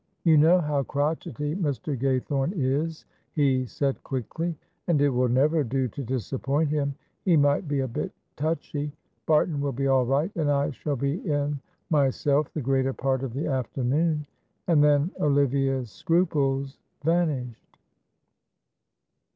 "You know how crotchety Mr. Gaythorne is," he said, quickly, "and it will never do to disappoint him; he might be a bit touchy. Barton will be all right, and I shall be in myself the greater part of the afternoon." And then Olivia's scruples vanished.